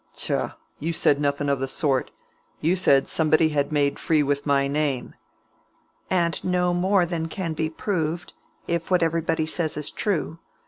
"Tchah! you said nothing o' the sort. You said somebody had made free with my name." "And no more than can be proved, if what everybody says is true.